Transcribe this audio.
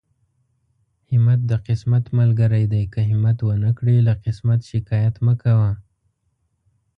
همت د قسمت ملګری دی، که همت ونکړې له قسمت شکايت مکوه.